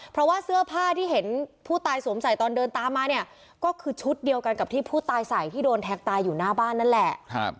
เพราะว่าเสื้อผ้าที่เห็นผู้ตายสวมใส่ตอนเดินตามมาเนี่ยก็คือชุดเดียวกันกับที่ผู้ตายใส่ที่โดนแทงตายอยู่หน้าบ้านนั่นแหละ